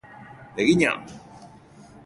Egina!